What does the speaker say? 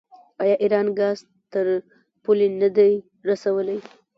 آیا ایران ګاز تر پولې نه دی رسولی؟